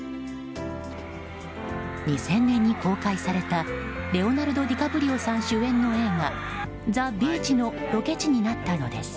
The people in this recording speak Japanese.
２０００年に公開されたレオナルド・ディカプリオさん主演の映画「ザ・ビーチ」のロケ地になったのです。